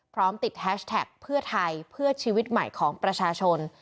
พร้อมติดแฮชแท็กเพื่อไทยเพื่อชีวิตใหม่ของประชาชน